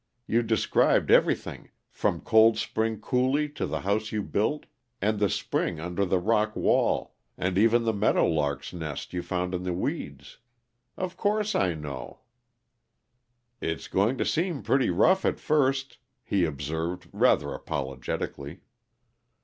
You described everything, from Cold Spring Coulee to the house you built, and the spring under the rock wall, and even the meadow lark's nest you found in the weeds. Of course I know." "It's going to seem pretty rough, at first," he observed rather apologetically.